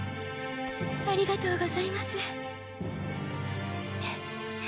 ありがとうございます。